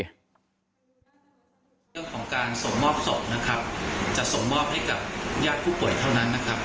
เรื่องของการส่งมอบศพจะส่งมอบให้กับญาติผู้ป่วยเท่านั้น